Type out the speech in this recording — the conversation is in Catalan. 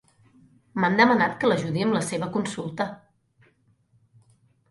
M'han demanat que l'ajudi amb la seva consulta.